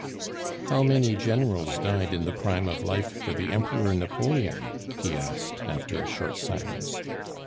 "How many generals died in the prime of life for the Emperor Napoleon?" he asked, after a short silence.